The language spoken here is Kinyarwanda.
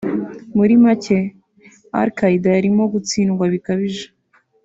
"Muri make Al Qaeda yarimo gutsindwa bikabije